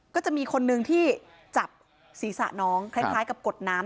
ก็จะมีคนนึงที่จับศีรษะน้องคล้ายกับกดน้ำ